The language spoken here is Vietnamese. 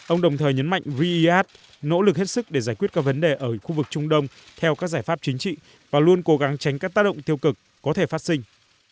ông đồng thời nhấn mạnh v id nỗ lực hết sức để giải quyết các vấn đề ở khu vực trung đông theo các giải pháp chính trị và luôn cố gắng tránh các tác động tiêu cực có thể phát sinh